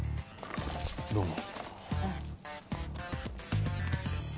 どうも。